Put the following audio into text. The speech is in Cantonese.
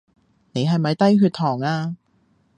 你係咪低血糖呀？